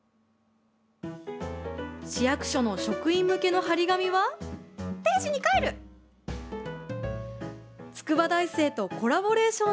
市役所の職員向けの貼り紙は「定時にカエル」。